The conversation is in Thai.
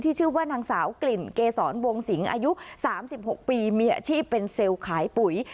ชื่อว่านางสาวกลิ่นเกษรวงสิงอายุ๓๖ปีมีอาชีพเป็นเซลล์ขายปุ๋ย